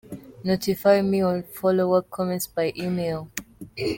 Notify me of follow-up comments by email.